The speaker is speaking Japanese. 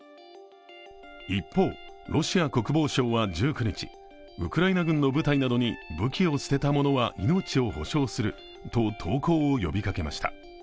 一方、ロシア国防省は１９日ウクライナ軍の部隊などに武器を捨てた者は命を保証すると投降を呼びかけました。